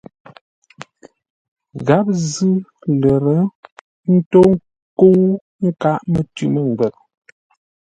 Gháp zʉ́ lə̂r, ə́ ntó ńkə́u nkâʼ mətʉ̌ mə́ngwə́nə.